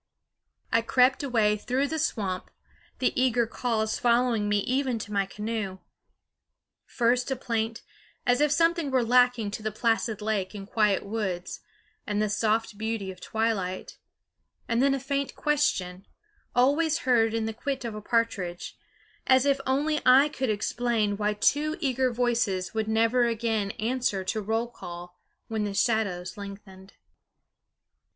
I crept away through the swamp, the eager calls following me even to my canoe; first a plaint, as if something were lacking to the placid lake and quiet woods and the soft beauty of twilight; and then a faint question, always heard in the kwit of a partridge, as if only I could explain why two eager voices would never again answer to roll call when the shadows lengthened.